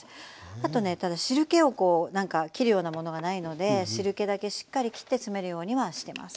あとねただ汁けをこう何かきるようなものがないので汁けだけしっかりきって詰めるようにはしてます。